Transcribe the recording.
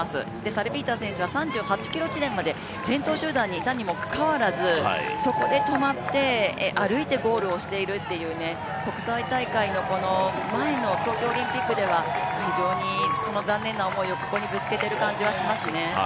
サルピーター選手は３８ｋｍ地点まで先頭集団にいたにもかかわらずそこで止まって歩いてゴールをしているという、国際大会の前の東京オリンピックでは非常に残念な思いを、ここにぶつけている感じはしますね。